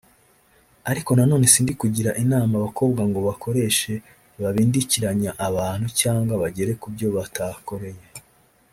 Ariko nanone sindi kugira inama abakobwa ngo babukoreshe babindikiranya abantu cyangwa bagera ku byo batakoreye